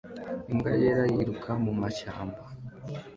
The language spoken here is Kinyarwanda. Imbwa yera yiruka mumashyamba